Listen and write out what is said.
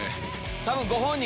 多分ご本人